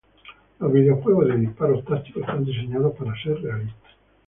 Los videojuegos de disparos tácticos están diseñados para ser realistas.